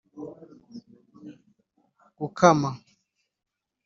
gukama